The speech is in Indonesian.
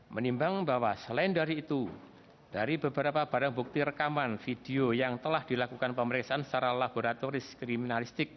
menimbang bahwa selain dari itu dari beberapa barang bukti rekaman video yang telah dilakukan pemeriksaan secara laboratoris kriminalistik